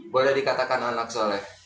boleh dikatakan anak soleh